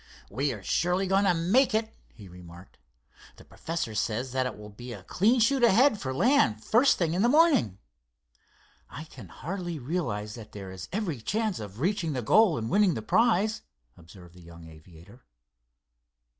"We are surely going to make it," he remarked. "The professor says that it will be a clean shoot ahead for land first thing in the morning." "I can hardly realize that there is every chance of reaching the goal and winning the prize," observed the young aviator.